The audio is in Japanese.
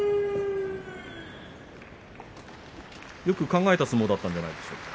よく考えた相撲だったんじゃないですか？